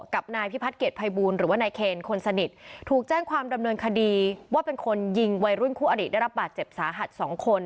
กับนายพิพัฒนเกรดภัยบูลหรือว่านายเคนคนสนิทถูกแจ้งความดำเนินคดีว่าเป็นคนยิงวัยรุ่นคู่อริได้รับบาดเจ็บสาหัสสองคน